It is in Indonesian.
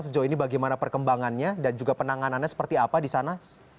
sejauh ini bagaimana perkembangannya dan juga penanganannya seperti apa di sana